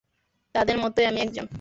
তাদের মতই আমি একজন।